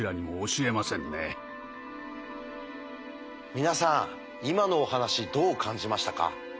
皆さん今のお話どう感じましたか？